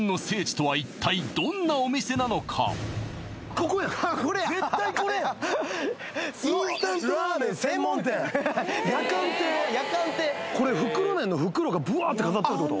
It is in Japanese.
ここや絶対これやこれやこれ袋麺の袋がブワーって飾っとるってこと？